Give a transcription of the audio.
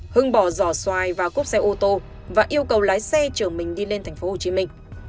hưng bỏ giỏ xoài vào cốp xe ô tô và yêu cầu lái xe chở mình đi lên thành phố hồ chí minh